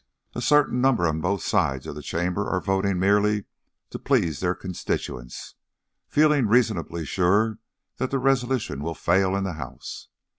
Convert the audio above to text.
A certain number on both sides of the Chamber are voting merely to please their constituents, feeling reasonably sure that the resolution will fail in the House.